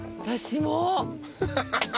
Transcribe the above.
私も！